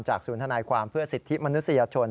ศูนย์ธนายความเพื่อสิทธิมนุษยชน